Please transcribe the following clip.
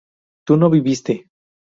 ¿tú no viviste?